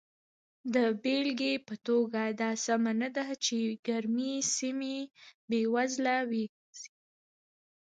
د بېلګې په توګه دا سمه نه ده چې ګرمې سیمې بېوزله وي.